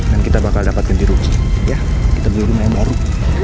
dan kita bakal dapat ganti ruang kita beli rumah yang baru